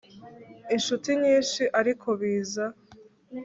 inshuti nyinshi ariko biza